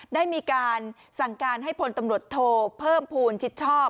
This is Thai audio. ได้มีการสั่งการให้พลตำรวจโทเพิ่มภูมิชิดชอบ